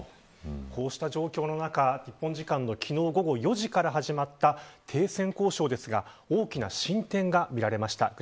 こうした状況の中、日本時間の昨日、午後４時から始まった停戦交渉ですが大きな進展が見られました。